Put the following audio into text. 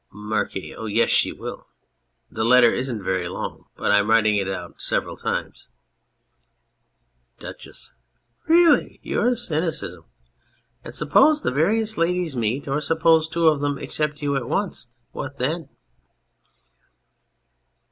MARQUIS. Oh, yes, she will. The letter isn't very long, but I'm writing it out several times. DUCHESS. Really ! Your cynicism ! And suppose the various ladies meet, or suppose two of them accept you at once ! What then